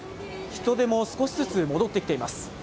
人出も少しずつ戻ってきています。